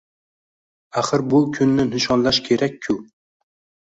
Axir bu kunni nishonlash kerak-ku